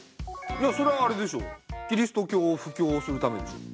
いやそりゃあれでしょキリスト教を布教するためでしょ。